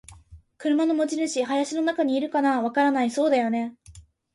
「車の持ち主。林の中にいるかな？」「わからない。」「そうだよね。」